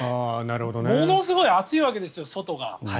ものすごい暑いわけですよ外が。